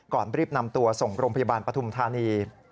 รีบนำตัวส่งโรงพยาบาลปฐุมธานี